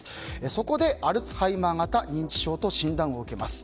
そこで、アルツハイマー型認知症と診断を受けます。